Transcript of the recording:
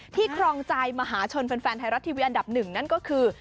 ครองใจมหาชนแฟนไทยรัฐทีวีอันดับหนึ่งนั่นก็คือ